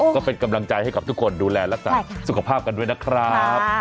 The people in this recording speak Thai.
ก็เป็นกำลังใจให้กับทุกคนดูแลรักษาสุขภาพกันด้วยนะครับ